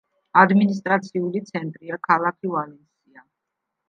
ადმინისტრაციული ცენტრია ქალაქი ვალენსია.